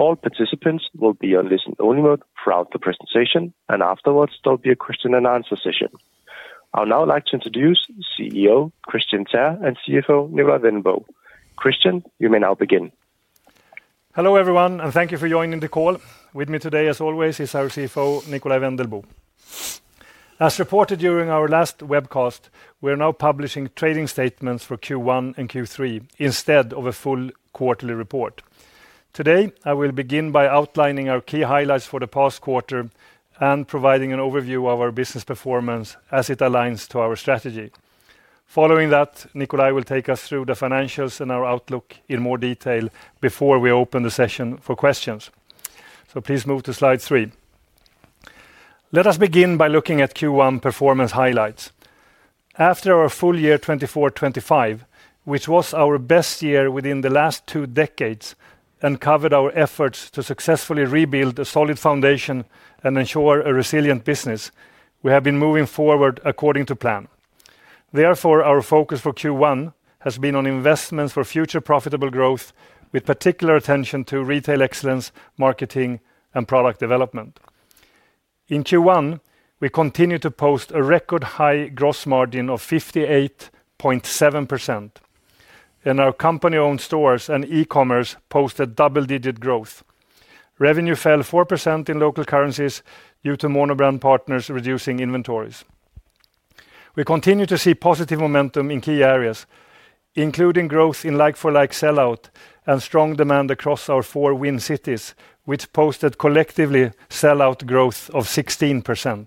All participants will be on listen-only mode throughout the presentation, and afterwards, there will be a question-and-answer session. I would now like to introduce CEO Kristian Teär and CFO Nikolaj Wendelboe. Kristian, you may now begin. Hello everyone, and thank you for joining the call. With me today, as always, is our CFO, Nikolaj Wendelboe. As reported during our last webcast, we are now publishing trading statements for Q1 and Q3 instead of a full quarterly report. Today, I will begin by outlining our key highlights for the past quarter and providing an overview of our business performance as it aligns to our strategy. Following that, Nikolaj will take us through the financials and our outlook in more detail before we open the session for questions. Please move to slide 3. Let us begin by looking at Q1 performance highlights. After our full year 2024/2025, which was our best year within the last two decades and covered our efforts to successfully rebuild a solid foundation and ensure a resilient business, we have been moving forward according to plan. Therefore, our focus for Q1 has been on investments for future profitable growth, with particular attention to retail excellence, marketing, and product development. In Q1, we continued to post a record-high gross margin of 58.7%, and our company-owned stores and e-commerce posted double-digit growth. Revenue fell 4% in local currencies due to monobrand partners reducing inventories. We continue to see positive momentum in key areas, including growth in like-for-like sellout and strong demand across our four wind cities, which posted collectively sellout growth of 16%.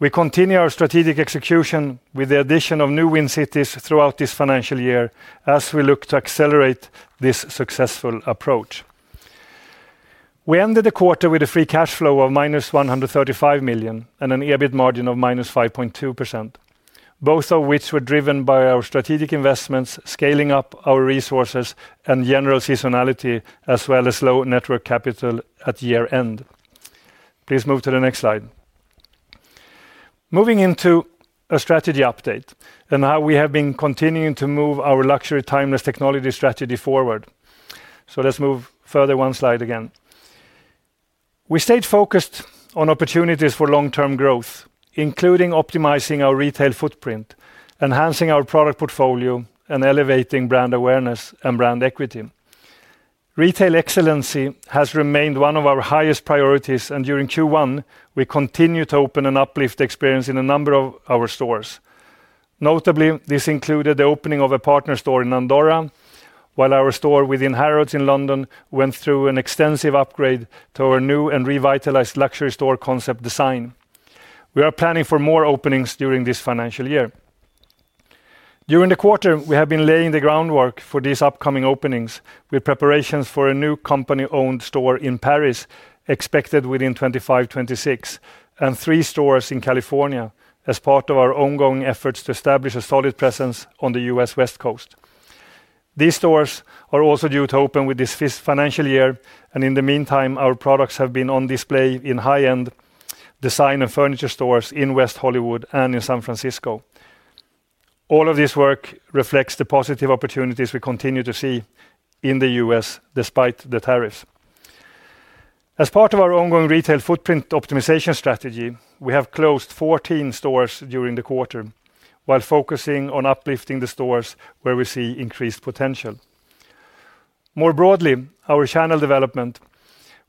We continue our strategic execution with the addition of new wind cities throughout this financial year as we look to accelerate this successful approach. We ended the quarter with a free cash flow of -135 million and an EBIT margin of -5.2%, both of which were driven by our strategic investments, scaling up our resources, and general seasonality, as well as low net working capital at year-end. Please move to the next slide. Moving into a strategy update and how we have been continuing to move our luxury timeless technology strategy forward. Let's move further one slide again. We stayed focused on opportunities for long-term growth, including optimizing our retail footprint, enhancing our product portfolio, and elevating brand awareness and brand equity. Retail excellence has remained one of our highest priorities, and during Q1, we continued to open and uplift experience in a number of our stores. Notably, this included the opening of a partner store in Andorra, while our store within Harrods in London went through an extensive upgrade to our new and revitalized luxury store concept design. We are planning for more openings during this financial year. During the quarter, we have been laying the groundwork for these upcoming openings, with preparations for a new company-owned store in Paris expected within 2025/2026, and three stores in California as part of our ongoing efforts to establish a solid presence on the U.S. West Coast. These stores are also due to open within this financial year, and in the meantime, our products have been on display in high-end design and furniture stores in West Hollywood and in San Francisco. All of this work reflects the positive opportunities we continue to see in the U.S. despite the tariffs. As part of our ongoing retail footprint optimization strategy, we have closed 14 stores during the quarter, while focusing on uplifting the stores where we see increased potential. More broadly, our channel development.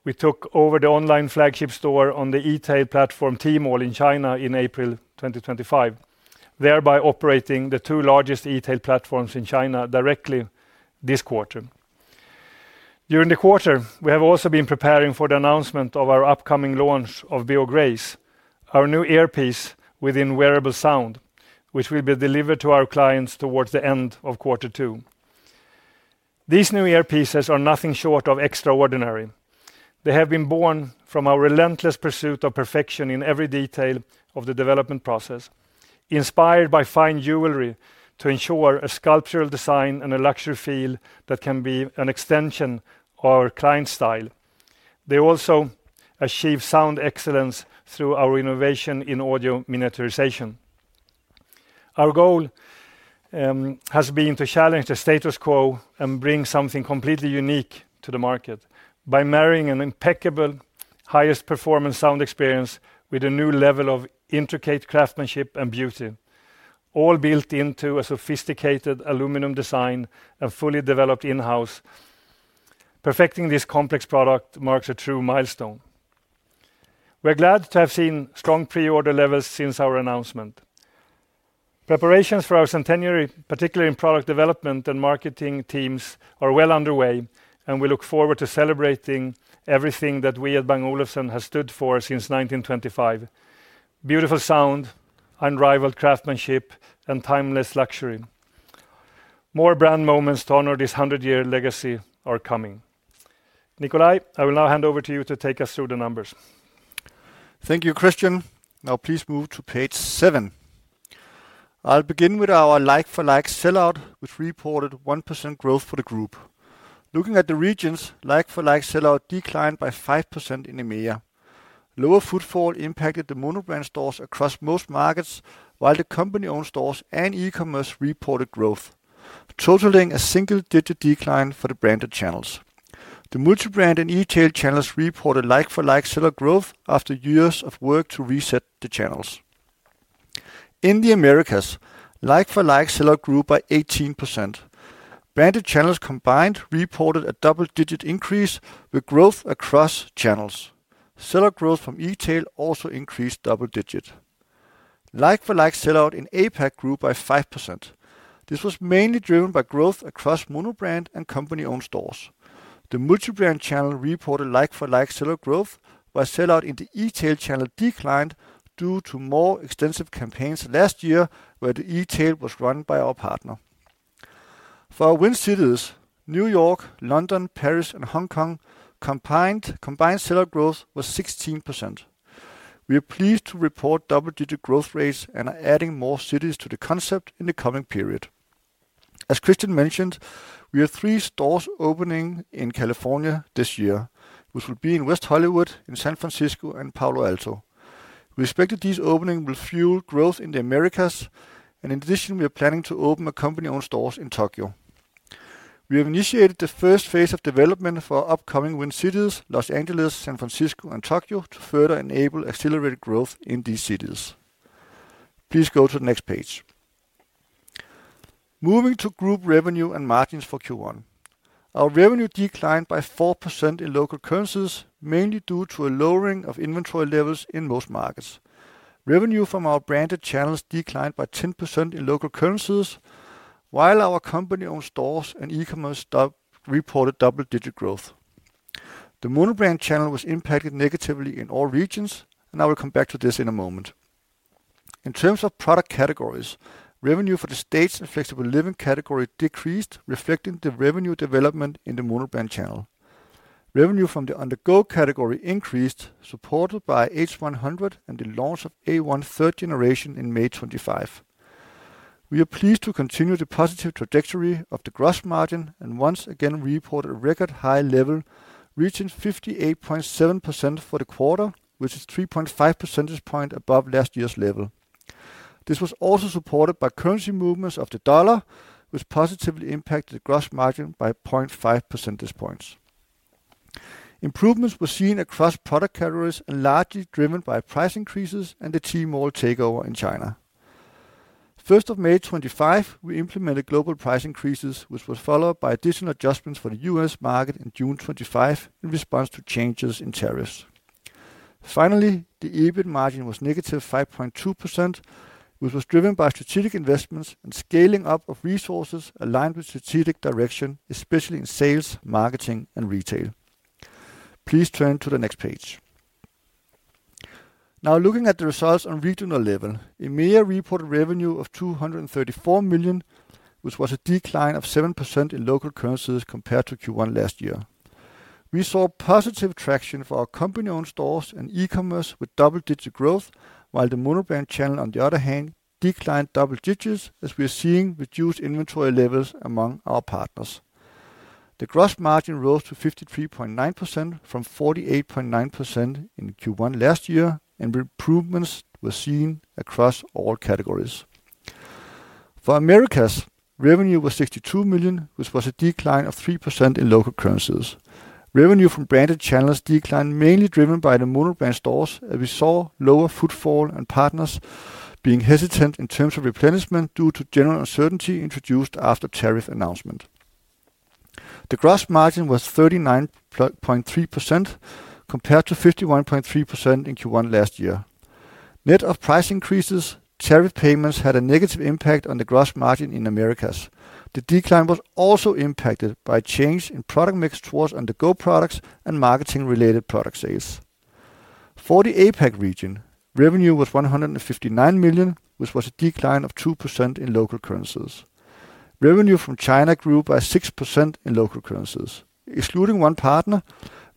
We took over the online flagship store on the e-tail platform Tmall in China in April 2025, thereby operating the two largest e-tail platforms in China directly this quarter. During the quarter, we have also been preparing for the announcement of our upcoming launch of Beo Grace, our new earpiece within wearable sound, which will be delivered to our clients towards the end of quarter two. These new earpieces are nothing short of extraordinary. They have been born from our relentless pursuit of perfection in every detail of the development process, inspired by fine jewelry to ensure a sculptural design and a luxury feel that can be an extension of our client's style. They also achieve sound excellence through our innovation in audio miniaturization. Our goal has been to challenge the status quo and bring something completely unique to the market by marrying an impeccable highest performance sound experience with a new level of intricate craftsmanship and beauty, all built into a sophisticated aluminum design and fully developed in-house. Perfecting this complex product marks a true milestone. We're glad to have seen strong pre-order levels since our announcement. Preparations for our centenary, particularly in product development and marketing teams, are well underway, and we look forward to celebrating everything that we at Bang Olufsen have stood for since 1925: beautiful sound, unrivaled craftsmanship, and timeless luxury. More brand moments to honor this 100-year legacy are coming. Nikolaj, I will now hand over to you to take us through the numbers. Thank you, Kristian. Now, please move to page 7. I'll begin with our like-for-like sellout, which reported 1% growth for the group. Looking at the regions, like-for-like sellout declined by 5% in EMEA. Lower footfall impacted the monobrand stores across most markets, while the company-owned stores and e-commerce reported growth, totaling a single-digit decline for the branded channels. The multi-brand and e-tail channels reported like-for-like sellout growth after years of work to reset the channels. In the Americas, like-for-like sellout grew by 18%. Branded channels combined reported a double-digit increase with growth across channels. Sellout growth from e-tail also increased double-digit. Like-for-like sellout in APAC grew by 5%. This was mainly driven by growth across monobrand and company-owned stores. The multi-brand channel reported like-for-like sellout growth, while sellout in the e-tail channel declined due to more extensive campaigns last year where the e-tail was run by our partner. For our wind cities, New York, London, Paris, and Hong Kong, combined sellout growth was 16%. We are pleased to report double-digit growth rates and are adding more cities to the concept in the coming period. As Kristian mentioned, we have three stores opening in California this year, which will be in West Hollywood, in San Francisco, and Palo Alto. We expect that these openings will fuel growth in the Americas, and in addition, we are planning to open our company-owned stores in Tokyo. We have initiated the first phase of development for our upcoming wind cities, Los Angeles, San Francisco, and Tokyo, to further enable accelerated growth in these cities. Please go to the next page. Moving to group revenue and margins for Q1. Our revenue declined by 4% in local currencies, mainly due to a lowering of inventory levels in most markets. Revenue from our branded channels declined by 10% in local currencies, while our company-owned stores and e-commerce reported double-digit growth. The monobrand channel was impacted negatively in all regions, and I will come back to this in a moment. In terms of product categories, revenue for the States and flexible living category decreased, reflecting the revenue development in the monobrand channel. Revenue from the undergo category increased, supported by H100 and the launch of A1 third generation in May 2025. We are pleased to continue the positive trajectory of the gross margin and once again reported a record-high level, reaching 58.7% for the quarter, which is 3.5 percentage points above last year's level. This was also supported by currency movements of the dollar, which positively impacted the gross margin by 0.5 percentage points. Improvements were seen across product categories and largely driven by price increases and the Tmall takeover in China. First of May 2025, we implemented global price increases, which were followed by additional adjustments for the U.S. market in June 2025 in response to changes in tariffs. Finally, the EBIT margin was -5.2%, which was driven by strategic investments and scaling up of resources aligned with strategic direction, especially in sales, marketing, and retail. Please turn to the next page. Now, looking at the results on a regional level, EMEA reported revenue of 234 million, which was a decline of 7% in local currencies compared to Q1 last year. We saw positive traction for our company-owned stores and e-commerce with double-digit growth, while the monobrand channel, on the other hand, declined double digits as we are seeing reduced inventory levels among our partners. The gross margin rose to 53.9% from 48.9% in Q1 last year, and improvements were seen across all categories. For Americas, revenue was 62 million, which was a decline of 3% in local currencies. Revenue from branded channels declined, mainly driven by the monobrand stores, as we saw lower footfall and partners being hesitant in terms of replenishment due to general uncertainty introduced after the tariff announcement. The gross margin was 39.3% compared to 51.3% in Q1 last year. Net of price increases, tariff payments had a negative impact on the gross margin in Americas. The decline was also impacted by a change in product mix towards undergo products and marketing-related product sales. For the APAC region, revenue was 159 million, which was a decline of 2% in local currencies. Revenue from China grew by 6% in local currencies. Excluding one partner,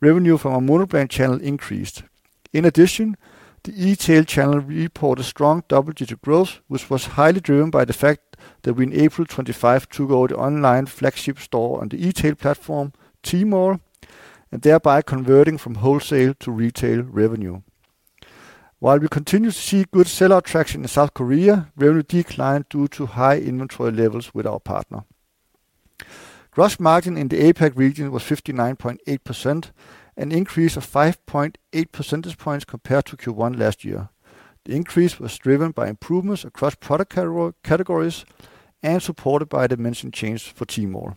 revenue from our monobrand channel increased. In addition, the e-tail channel reported strong double-digit growth, which was highly driven by the fact that we on April 25 took over the online flagship store on the e-tail platform, Tmall, and thereby converting from wholesale to retail revenue. While we continue to see good seller traction in South Korea, revenue declined due to high inventory levels with our partner. Gross margin in the APAC region was 59.8%, an increase of 5.8 percentage points compared to Q1 last year. The increase was driven by improvements across product categories and supported by the mentioned change for Tmall.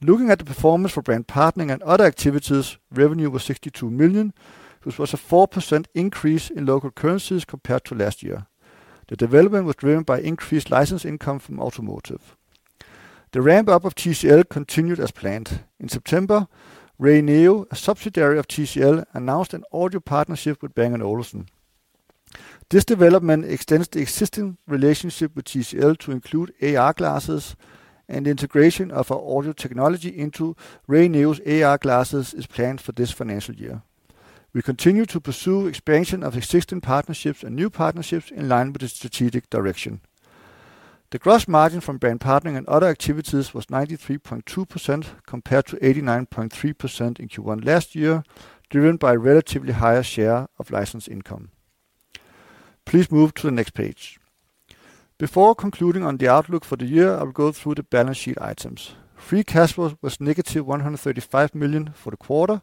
Looking at the performance for brand partnering and other activities, revenue was 62 million, which was a 4% increase in local currencies compared to last year. The development was driven by increased license income from automotive. The ramp-up of TCL continued as planned. In September, RayNeo, a subsidiary of TCL, announced an audio partnership with Bang & Olufsen. This development extends the existing relationship with TCL to include AR glasses, and the integration of our audio technology into RayNeo's AR glasses is planned for this financial year. We continue to pursue expansion of existing partnerships and new partnerships in line with the strategic direction. The gross margin from brand partnering and other activities was 93.2% compared to 89.3% in Q1 last year, driven by a relatively higher share of license income. Please move to the next page. Before concluding on the outlook for the year, I will go through the balance sheet items. Free cash flow was -135 million for the quarter,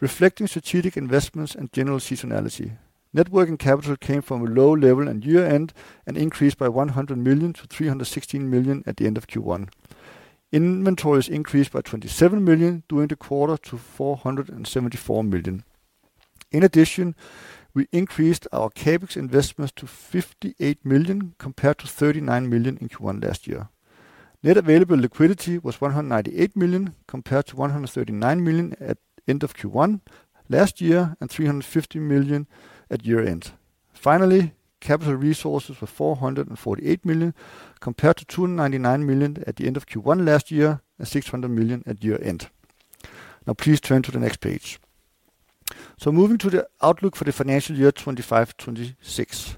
reflecting strategic investments and general seasonality. Net working capital came from a low level at year-end and increased by 100 million to 316 million at the end of Q1. Inventories increased by 27 million during the quarter to 474 million. In addition, we increased our CapEx investments to 58 million compared to 39 million in Q1 last year. Net available liquidity was 198 million compared to 139 million at the end of Q1 last year and 350 million at year-end. Finally, capital resources were 448 million compared to 299 million at the end of Q1 last year and 600 million at year-end. Now, please turn to the next page. Moving to the outlook for the financial year 2025/2026.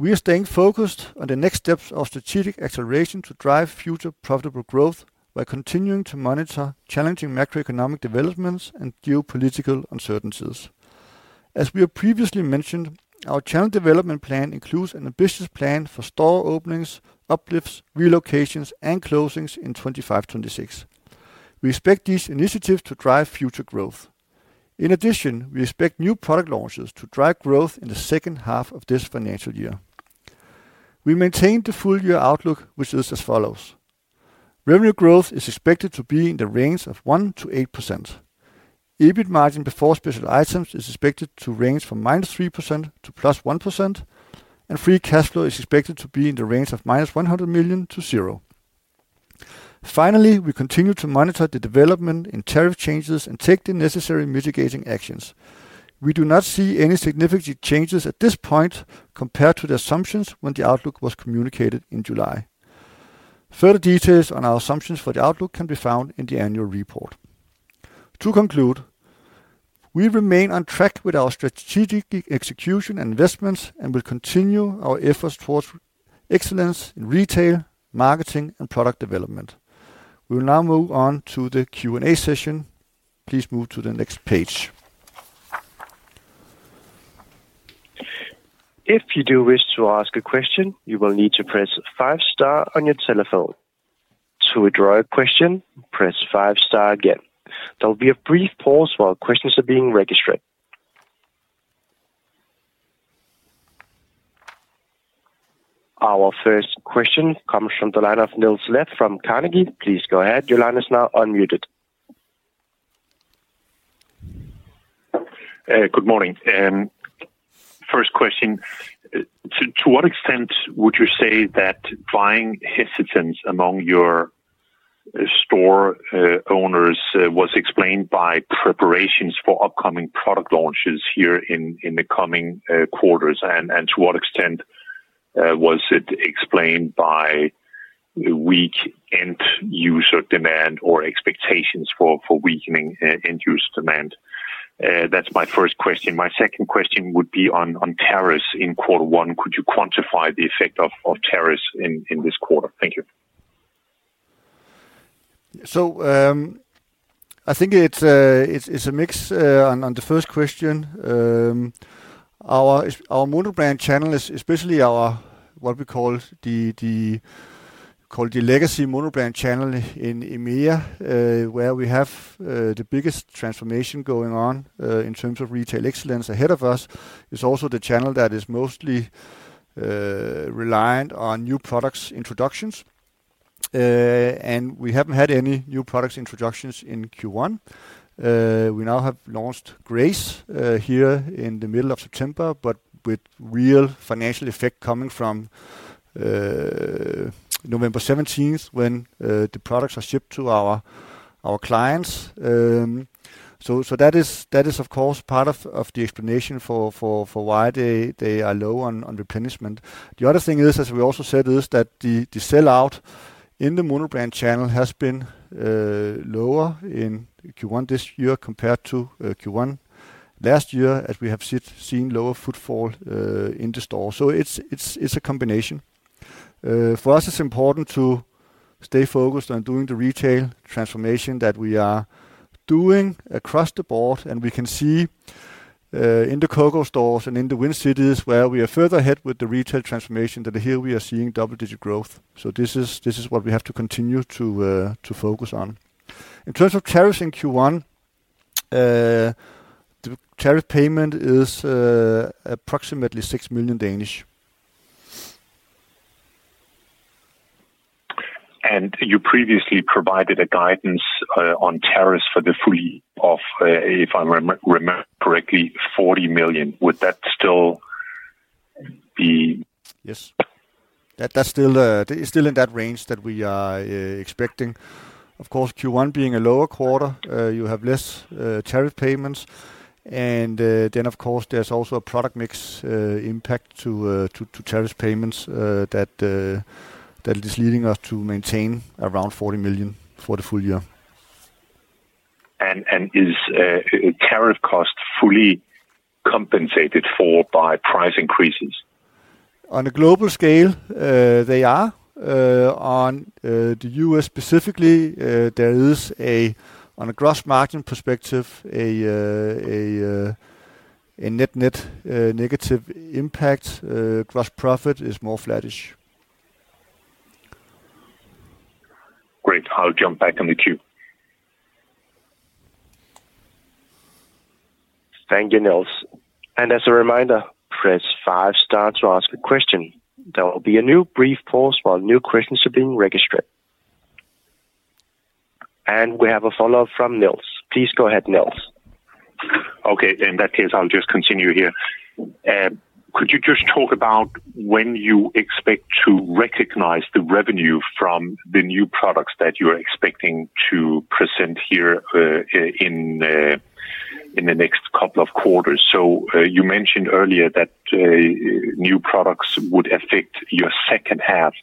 We are staying focused on the next steps of strategic acceleration to drive future profitable growth while continuing to monitor challenging macroeconomic developments and geopolitical uncertainties. As we have previously mentioned, our channel development plan includes an ambitious plan for store openings, uplifts, relocations, and closings in 2025/2026. We expect these initiatives to drive future growth. In addition, we expect new product launches to drive growth in the second half of this financial year. We maintained the full-year outlook, which is as follows: Revenue growth is expected to be in the range of 1%-8%. EBIT margin before special items is expected to range from -3% to +1%, and free cash flow is expected to be in the range of-DKK 100 million to zero. Finally, we continue to monitor the development in tariff changes and take the necessary mitigating actions. We do not see any significant changes at this point compared to the assumptions when the outlook was communicated in July. Further details on our assumptions for the outlook can be found in the annual report. To conclude, we remain on track with our strategic execution and investments and will continue our efforts towards excellence in retail, marketing, and product development. We will now move on to the Q&A session. Please move to the next page. If you do wish to ask a question, you will need to press five-star on your telephone. To withdraw a question, press five-star again. There will be a brief pause while questions are being registered. Our first question comes from the line of Niels Leth from Carnegie. Please go ahead. Your line is now unmuted. Good morning. First question: to what extent would you say that buying hesitance among your store owners was explained by preparations for upcoming product launches here in the coming quarters? To what extent was it explained by weak end-user demand or expectations for weakening end-user demand? That's my first question. My second question would be on tariffs in quarter one. Could you quantify the effect of tariffs? I think it's a mix on the first question. Our monobrand channel is especially our, what we call the legacy monobrand channel in EMEA, where we have the biggest transformation going on in terms of retail excellence ahead of us. It's also the channel that is mostly reliant on new product introductions, and we haven't had any new product introductions in Q1. We now have launched Grace here in the middle of September, but with real financial effect coming from November 17th when the products are shipped to our clients. That is, of course, part of the explanation for why they are low on replenishment. The other thing is, as we also said, is that the sellout in the monobrand channel has been lower in Q1 this year compared to Q1 last year, as we have seen lower footfall in the store. It's a combination. For us, it's important to stay focused on doing the retail transformation that we are doing across the board, and we can see in the [Koko] stores and in the wind cities where we are further ahead with the retail transformation that here we are seeing double-digit growth. This is what we have to continue to focus on. In terms of tariffs in Q1, the tariff payment is approximately DKK 6 million. You previously provided a guidance on tariffs for the full year, if I remember correctly, 40 million. Would that still? Yes. That is still in that range that we are expecting. Of course, Q1 being a lower quarter, you have less tariff payments, and then, of course, there's also a product mix impact to tariff payments that is leading us to maintain around 40 million for the full year. Is tariff cost fully compensated for by price increases? On a global scale, they are. On the U.S. specifically, there is, on a gross margin perspective, a net-net negative impact. Gross profit is more flattish. Great. I'll jump back on the queue. Thank you, Niels. As a reminder, press five-star to ask a question. There will be a brief pause while new questions are being registered. We have a follow-up from Niels. Please go ahead, Niels. Okay. In that case, I'll just continue here. Could you just talk about when you expect to recognize the revenue from the new products that you're expecting to present here in the next couple of quarters? You mentioned earlier that new products would affect your second half,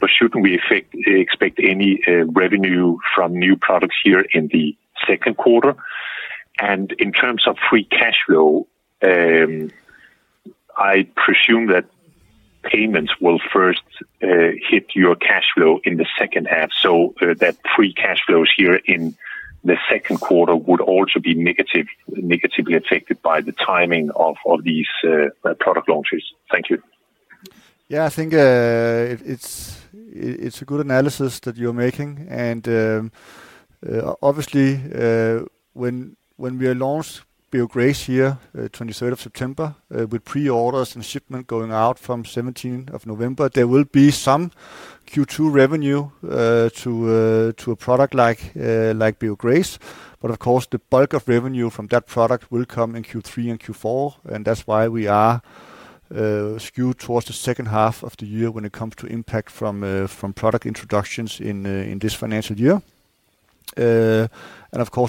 but shouldn't we expect any revenue from new products here in the second quarter? In terms of free cash flow, I presume that payments will first hit your cash flow in the second half. That means free cash flows here in the second quarter would also be negatively affected by the timing of these product launches. Thank you. Yeah, I think it's a good analysis that you're making. Obviously, when we launched Beo Grace here, 23rd of September, with pre-orders and shipment going out from 17th of November, there will be some Q2 revenue to a product like Beo Grace. Of course, the bulk of revenue from that product will come in Q3 and Q4, and that's why we are skewed towards the second half of the year when it comes to impact from product introductions in this financial year.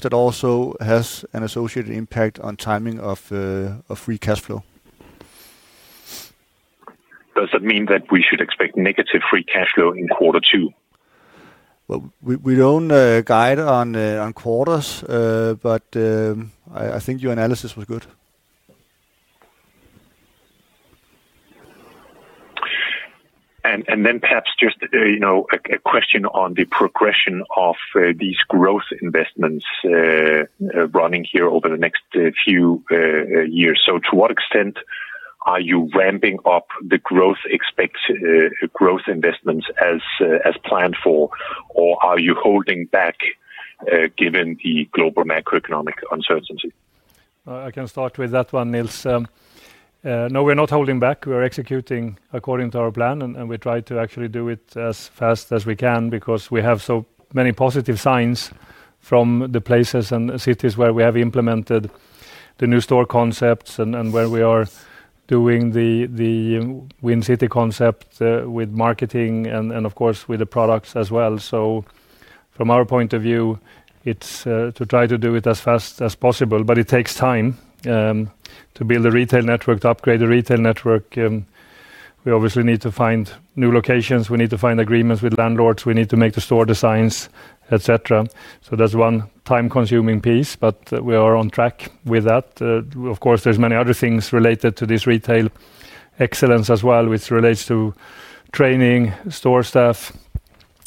That also has an associated impact on timing of free cash flow. Does that mean that we should expect negative free cash flow in [Q2]? We don't guide on quarters, but I think your analysis was good. Perhaps just a question on the progression of these growth investments running here over the next few years. To what extent are you ramping up the growth investments as planned for, or are you holding back given the global macroeconomic uncertainty? I can start with that one, Niels. No, we're not holding back. We're executing according to our plan, and we try to actually do it as fast as we can because we have so many positive signs from the places and cities where we have implemented the new store concepts and where we are doing the wind city concept with marketing and, of course, with the products as well. From our point of view, it's to try to do it as fast as possible, but it takes time to build a retail network, to upgrade the retail network. We obviously need to find new locations, we need to find agreements with landlords, we need to make the store designs, etc. That's one time-consuming piece, but we are on track with that. Of course, there are many other things related to this retail excellence as well, which relates to training, store staff,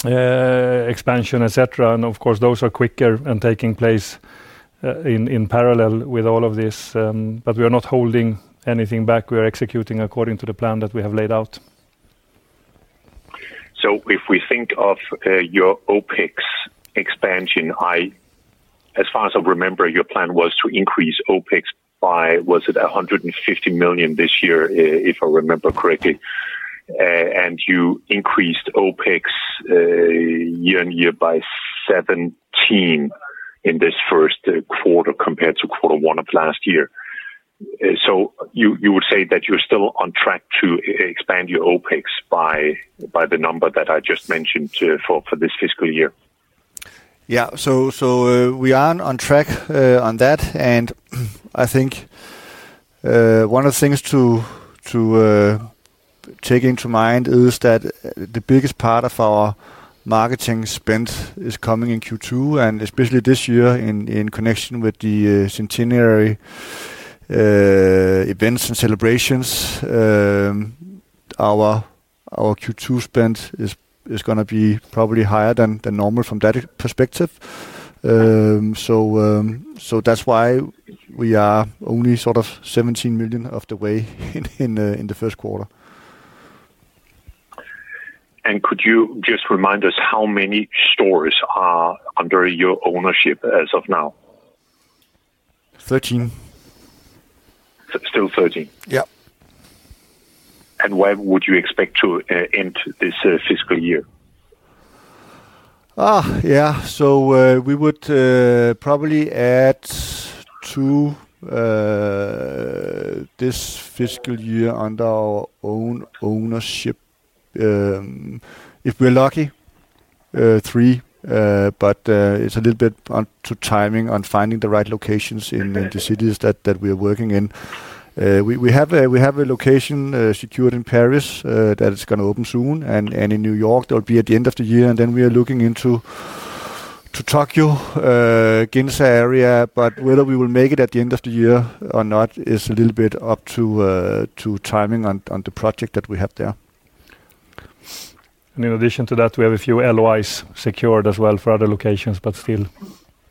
expansion, etc. Of course, those are quicker and taking place in parallel with all of this, but we are not holding anything back. We are executing according to the plan that we have laid out. If we think of your OpEx expansion, as far as I remember, your plan was to increase OpEx by 150 million this year, if I remember correctly. You increased OpEx year-on-year by 17 million in this first quarter compared to quarter one of last year. You would say that you're still on track to expand your OpEx by the number that I just mentioned for this fiscal year? Yeah, we are on track on that. I think one of the things to take into mind is that the biggest part of our marketing spend is coming in Q2, especially this year in connection with the centenary events and celebrations. Our Q2 spend is going to be probably higher than normal from that perspective. That's why we are only sort of 17 million of the way in the first quarter. Could you just remind us how many stores are under your ownership as of now? 13. Still 13? Yeah. When would you expect to end this fiscal year? Yeah. We would probably add two this fiscal year under our own ownership. If we're lucky, three, but it's a little bit on timing on finding the right locations in the cities that we are working in. We have a location secured in Paris that is going to open soon, and in New York, that would be at the end of the year. We are looking into Tokyo, Ginza area. Whether we will make it at the end of the year or not is a little bit up to timing on the project that we have there. In addition to that, we have a few LOIs secured as well for other locations, but still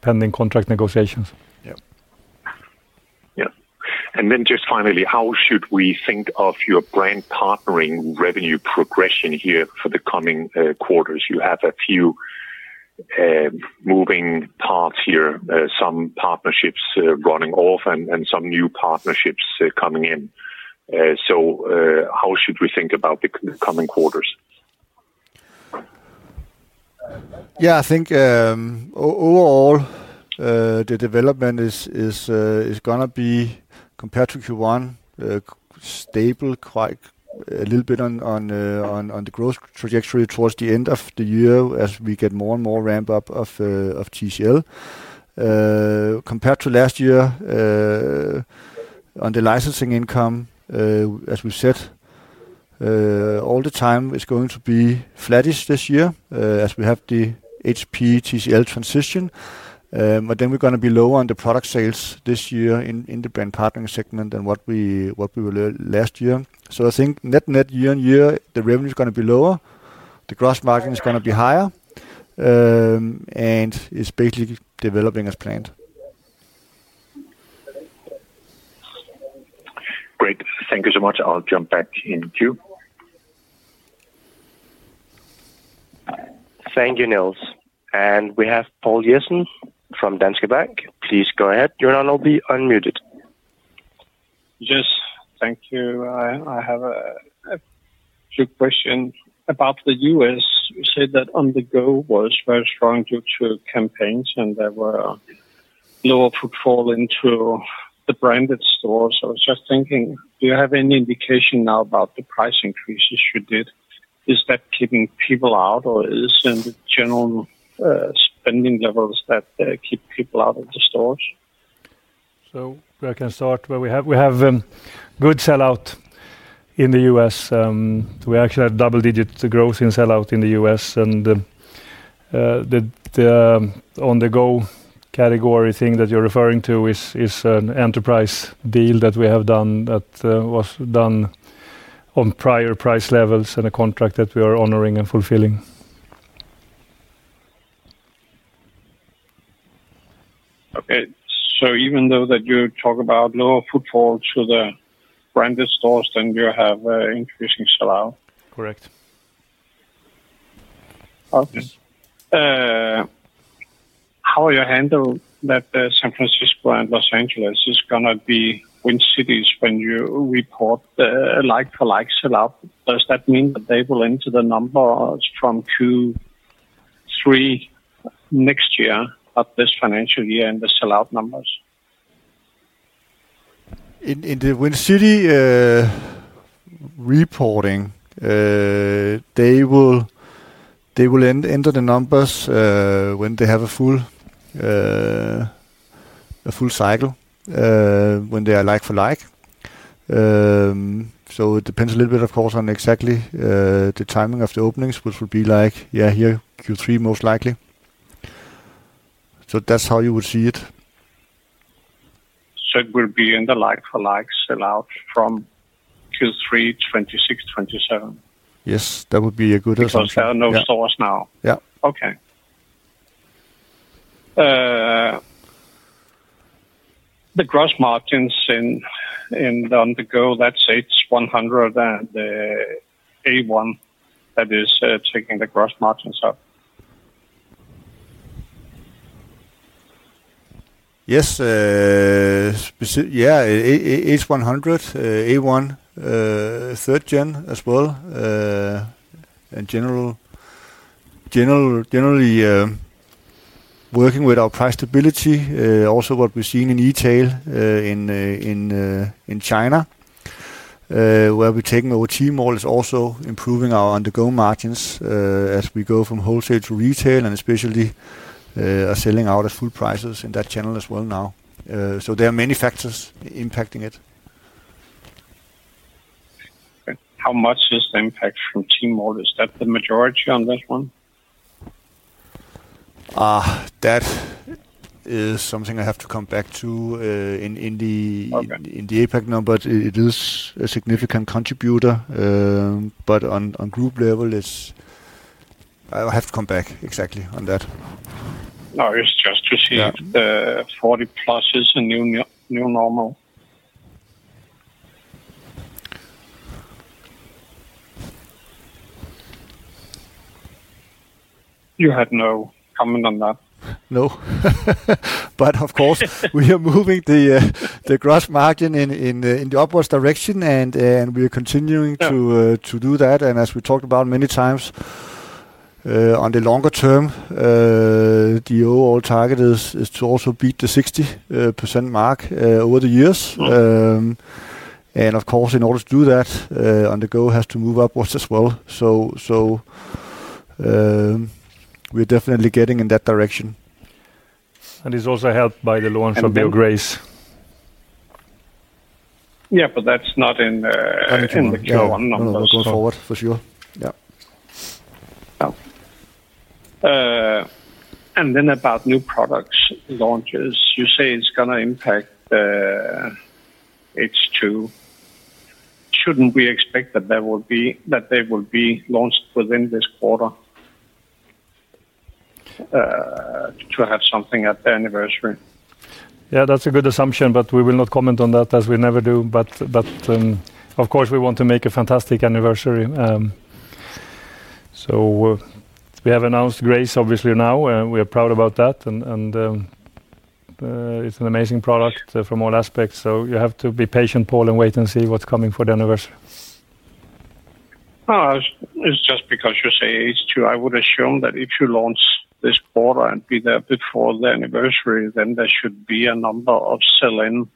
pending contract negotiations. Yeah. And then just finally, how should we think of your brand partnering revenue progression here for the coming quarters? You have a few moving parts here, some partnerships running off and some new partnerships coming in. How should we think about the coming quarters? Yeah, I think overall the development is going to be, compared to Q1, stable, quite a little bit on the growth trajectory towards the end of the year as we get more and more ramp-up of TCL. Compared to last year, on the licensing income, as we said, all the time is going to be flattish this year as we have the HP TCL transition. We are going to be lower on the product sales this year in the brand partnering segment than what we were last year. I think net-net year-on-year, the revenue is going to be lower, the gross margin is going to be higher, and it's basically developing as planned. Great. Thank you so much. I'll jump back in queue. Thank you, Niels. We have Poul Jessen from Danske Bank. Please go ahead. Your line will be unmuted. Yes, thank you. I have a quick question about the U.S. You said that on-the-go was very strong due to campaigns, and there were lower footfall into the branded stores. I was just thinking, do you have any indication now about the price increases you did? Is that keeping people out, or is it in the general spending levels that keep people out of the stores? I can start. We have good sellout in the U.S. We actually had double-digit growth in sellout in the U.S., and the on-the-go category thing that you're referring to is an enterprise deal that we have done that was done on prior price levels and a contract that we are honoring and fulfilling. Okay. Even though you talk about lower footfall to the branded stores, you have increasing sellout? Correct. How you handle that San Francisco and Los Angeles is going to be wind cities when you report a like-for-like sellout? Does that mean that they will enter the numbers from Q3 next year, but this financial year in the sellout numbers? In the wind city reporting, they will enter the numbers when they have a full cycle, when they are like-for-like. It depends a little bit, of course, on exactly the timing of the openings, which would be, yeah, here Q3 most likely. That's how you would see it. It would be in the like-for-like sellout from Q3 2026/2027? Yes, that would be a good assumption. Are there no stores now? Yeah. Okay. The gross margins in the on-the-go, that's H100, and the A1, that is taking the gross margins up. Yes. H100, A1, third gen as well. Generally, working with our price stability, also what we're seeing in e-tail in China, where we're taking over Tmall, is also improving our on-the-go margins as we go from wholesale to retail, and especially are selling out at full prices in that channel as well now. There are many factors impacting it. How much is the impact from Tmall? Is that the majority on this one? That is something I have to come back to. In the APAC numbers, it is a significant contributor. At group level, I have to come back exactly on that. No, it's just to see 40+ is a new normal. You had no comment on that? No, but of course, we are moving the gross margin in the upwards direction, and we are continuing to do that. As we talked about many times, on the longer term, the overall target is to also beat the 60% mark over the years. Of course, in order to do that, on-the-go has to move upwards as well. We are definitely getting in that direction. It's also helped by the launch of Beo Grace. Yeah, that's not in the Q1 numbers. No, not going forward for sure. Yeah, about new product launches, you say it's going to impact H2. Shouldn't we expect that they will be launched within this quarter to have something at the anniversary? Yeah, that's a good assumption, but we will not comment on that as we never do. Of course, we want to make a fantastic anniversary. We have announced Grace obviously now, and we are proud about that. It's an amazing product from all aspects. You have to be patient, Poul, and wait and see what's coming for the anniversary. It's just because you say H2, I would assume that if you launch this quarter and be there before the anniversary, then there should be a number of selling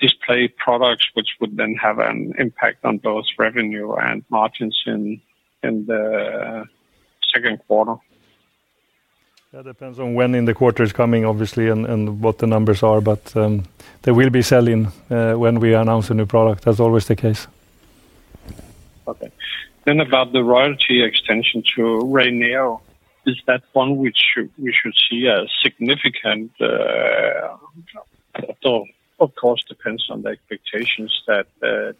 display products, which would then have an impact on both revenue and margins in the second quarter. That depends on when in the quarter it is coming, obviously, and what the numbers are. They will be selling when we announce a new product. That's always the case. Okay. About the royalty extension to RayNeo, is that one which we should see as significant? Of course, it depends on the expectations that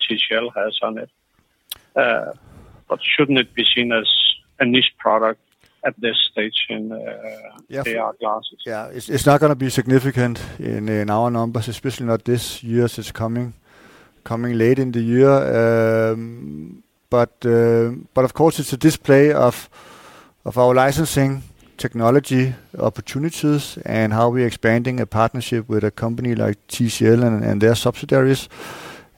TCL has on it. Shouldn't it be seen as a niche product at this stage in AR glasses? Yeah, it's not going to be significant in our numbers, especially not this year as it's coming late in the year. Of course, it's a display of our licensing technology opportunities and how we're expanding a partnership with a company like TCL and their subsidiaries.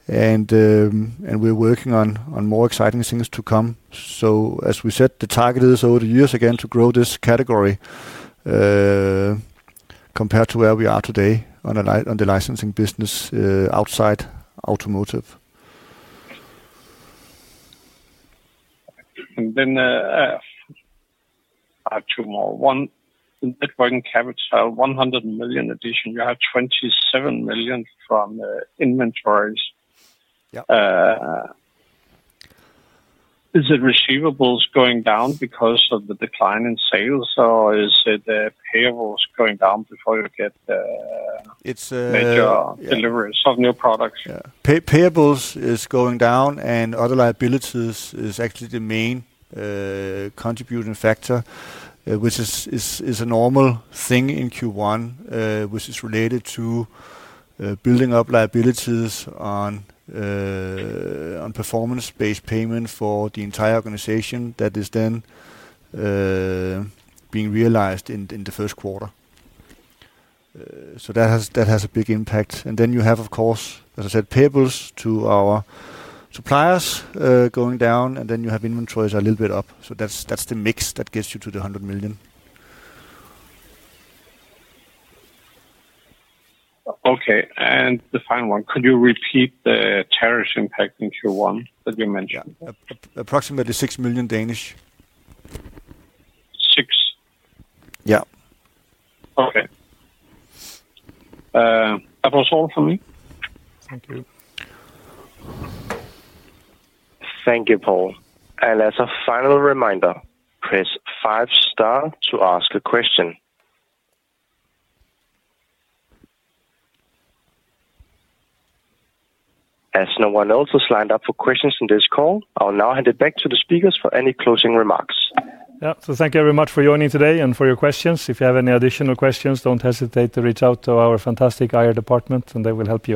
We're working on more exciting things to come. As we said, the target is over the years again to grow this category compared to where we are today on the licensing business outside automotive. I have two more. One, the networking tariffs are 100 million addition. You have 27 million from inventories. Yeah. Is it receivables going down because of the decline in sales, or is it payables going down before you get the delivery of new products? Payables is going down, and other liabilities is actually the main contributing factor, which is a normal thing in Q1, which is related to building up liabilities on performance-based payment for the entire organization that is then being realized in the first quarter. That has a big impact. You have, of course, as I said, payables to our suppliers going down, and you have inventories a little bit up. That's the mix that gets you to the 100 million. Okay. The final one, could you repeat the tariff impact in Q1 that you mentioned? Approximately 6 million. 6 million? Yeah. Okay, that was all for me. Thank you. Thank you, Poul. As a final reminder, press five-star to ask a question. As no one else has lined up for questions in this call, I'll now hand it back to the speakers for any closing remarks. Thank you very much for joining today and for your questions. If you have any additional questions, don't hesitate to reach out to our fantastic IR department, and they will help you out.